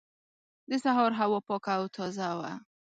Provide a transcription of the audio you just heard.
د سهار هوا پاکه او تازه وه.